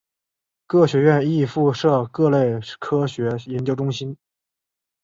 各学院亦附设各类科学研究中心。